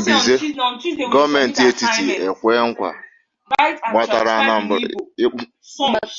Mbize: Gọọmenti Etiti Ekwe Nkwà Ịgbatara Anambra Ọsọ Enyemaka